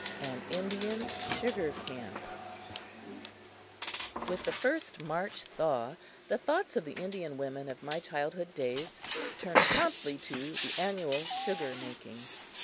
An Indian Sugar Camp WITH the first March thaw the thoughts of the Indian women of my childhood days turned promptly to the annual sugarmaking.